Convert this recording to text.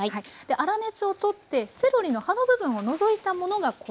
粗熱を取ってセロリの葉の部分を除いたものがこちらです。